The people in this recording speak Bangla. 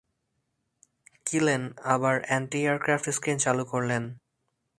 কিলেন আবার অ্যান্টি-এয়ারক্রাফট স্ক্রিন চালু করলেন।